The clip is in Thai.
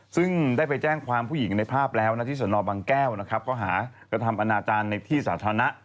ซึ่งได้ไปแจ้งความผู้หญิงในภาพแล้วนะที่สนบังแก้วนะครับข้อหากระทำอนาจารย์ในที่สาธารณะ